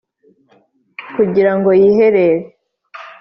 kugira ngo yiherere